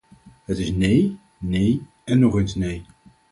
Het is nee, nee en nog eens nee.